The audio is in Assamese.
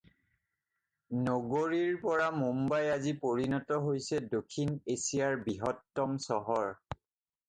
নগৰীৰ পৰা মুম্বাই আজি পৰিণত হৈছে দক্ষিণ এছিয়াৰ বৃহত্তম চহৰ।